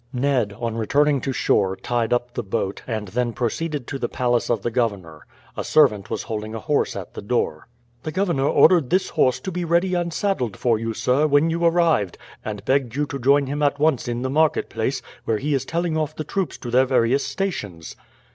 Ned, on returning to shore, tied up the boat, and then proceeded to the palace of the governor. A servant was holding a horse at the door. "The governor ordered this horse to be ready and saddled for you, sir, when you arrived, and begged you to join him at once in the marketplace, where he is telling off the troops to their various stations."